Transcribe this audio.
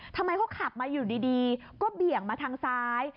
ทำไมเขาขับมาอยู่ดีก็เบี่ยงมาทางซ้าย